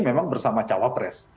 memang bersama cawapres